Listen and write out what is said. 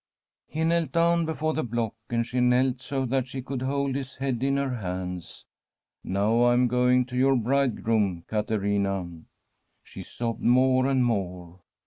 He knelt down before the block, and she knelt so that she could hold his head in her hands. ' Now I am going to your Bridegroom, Caterina.' She sobbed more and more.